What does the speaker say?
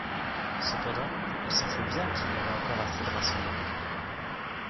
Cependant, il s'en faut bien qu'il y en ait encore assez de rassemblées.